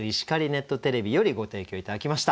ネットテレビよりご提供頂きました。